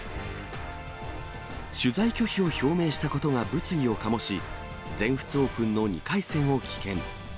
取材拒否を表明したことが物議を醸し、全仏オープンの２回戦を棄権。